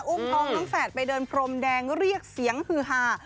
อุ้มท้องทั้งแฝดไปเดินพรมแดงเรียกเสียงฮือฮา